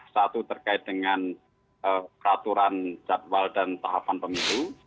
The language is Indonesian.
satu terkait dengan peraturan jadwal dan tahapan pemilu